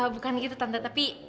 bukan gitu tante